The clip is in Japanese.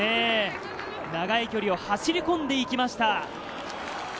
長い距離を走り込んで行きました。